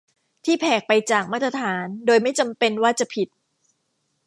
ที่แผกไปจากมาตรฐาน โดยไม่จำเป็นว่าจะผิด